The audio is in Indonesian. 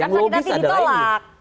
sakit hati ditolak